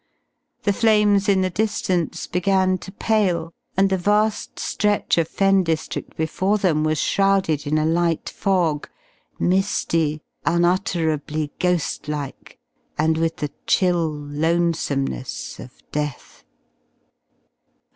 The flames in the distance began to pale, and the vast stretch of Fen district before them was shrouded in a light fog, misty, unutterably ghostlike and with the chill lonesomeness of death.